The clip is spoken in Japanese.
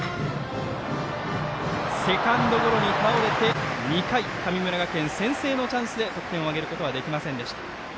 セカンドゴロに倒れて、２回神村学園、先制のチャンスで得点を挙げることはできませんでした。